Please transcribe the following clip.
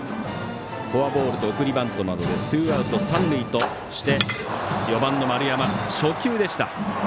フォアボールと送りバントなどでツーアウト、三塁として４番、丸山、初球でした。